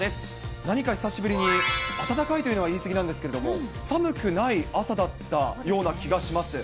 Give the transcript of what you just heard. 何か久しぶりに、暖かいというのは言い過ぎなんですけれども、寒くない朝だったような気がします。